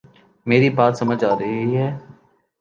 میری بات سمجھ آ رہی ہے